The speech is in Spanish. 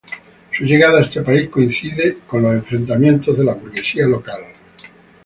Su llegada a este país coincide con los enfrentamientos de la burguesía local.